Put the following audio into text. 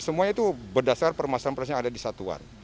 semua itu berdasar permasalahan permasalahan yang ada di satuan